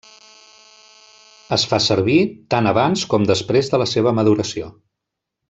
Es fa servir tant abans com després de la seva maduració.